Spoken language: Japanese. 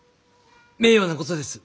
名誉なことです。